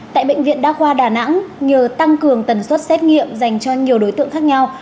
tại bệnh viện đa khoa đà nẵng nhờ tăng cường tần suất xét nghiệm dành cho nhiều đối tượng khác nhau